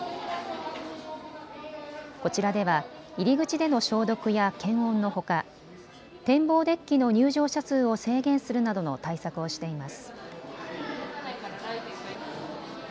こちらでは入り口での消毒や検温のほか展望デッキの入場者数を制限するなどの対策をしています。